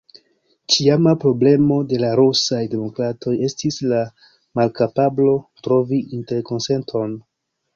Ĉiama problemo de la rusaj demokratoj estis la malkapablo trovi interkonsenton.